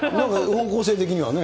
方向性的にはね。